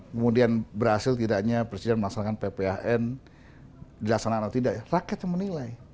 kemudian berhasil tidaknya presiden melaksanakan pphn dilaksanakan atau tidak ya rakyat yang menilai